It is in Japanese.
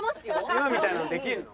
今みたいなのできるの？